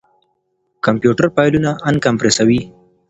کمپيوټر فايلونه اَنکمپريسوي.